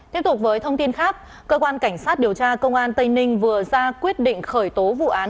tiếp tục với thông tin khác cơ quan cảnh sát điều tra công an tây ninh vừa ra quyết định khởi tố vụ án